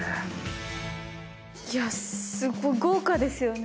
すごい豪華ですよね。